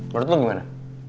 menurut lu gimana